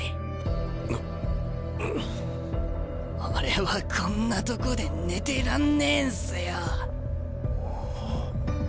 俺はこんなとこで寝てらんねえんすよ。